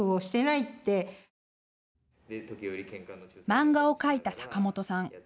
漫画を描いた坂本さん。